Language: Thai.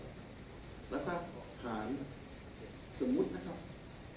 และถ้าผ่านสมมุตินะครับ